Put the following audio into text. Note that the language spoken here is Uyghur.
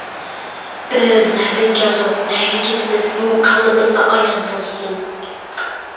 بىز نەدىن كەلدۇق نەگە كىتىمىز بۇ كاللىمىزدا ئايان بولسۇن.